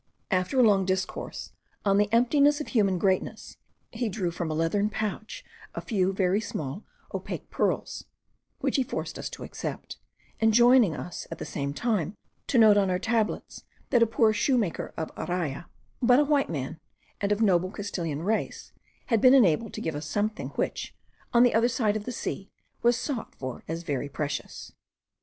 After a long discourse on the emptiness of human greatness, he drew from a leathern pouch a few very small opaque pearls, which he forced us to accept, enjoining us at the same time to note on our tablets that a poor shoemaker of Araya, but a white man, and of noble Castilian race, had been enabled to give us something which, on the other side of the sea,* was sought for as very precious.